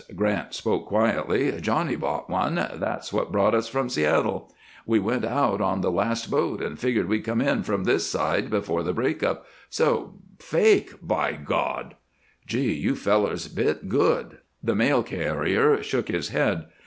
Grant spoke quietly. "Johnny bought one. That's what brought us from Seattle. We went out on the last boat and figured we'd come in from this side before the break up. So fake! By God!" "Gee! You fellers bit good." The mail carrier shook his head.